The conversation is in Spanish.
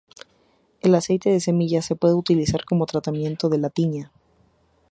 El aceite de semillas se pueden utilizar como tratamiento de la tiña.